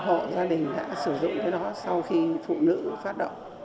hộ gia đình đã sử dụng cái đó sau khi phụ nữ phát động